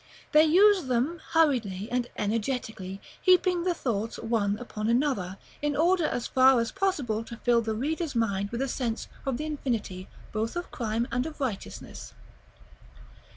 They use them hurriedly and energetically, heaping the thoughts one upon another, in order as far as possible to fill the reader's mind with a sense of the infinity both of crime and of righteousness.